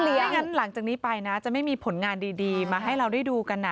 ถ้างั้นหลังจากนี้ไปนะจะไม่มีผลงานดีมาให้เราได้ดูกัน